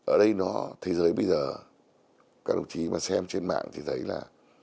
ở đây nó thế giới bây giờ các đồng chí mà xem trên mạng thì thấy là